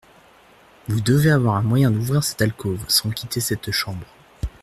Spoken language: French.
Vous devez avoir un moyen d’ouvrir cette alcôve, sans quitter cette chambre.